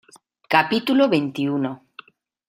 capítulo veintiuno.